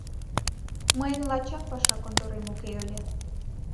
Мыйын лачак паша конторем уке ыле.